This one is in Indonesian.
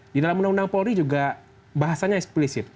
di dalam undang undang polri juga bahasanya eksplisit